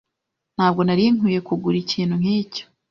Ntabwo nari nkwiye kugura ikintu nkicyo.